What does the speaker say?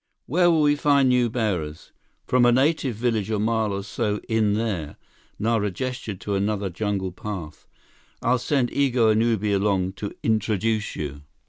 "Where will we find new bearers?" "From a native village a mile or so in there." Nara gestured to another jungle path. "I'll send Igo and Ubi along to introduce you."